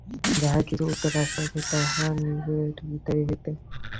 যাহা কিছু উত্তর আসিয়াছে, তাহা নিজের হৃদয় হইতে।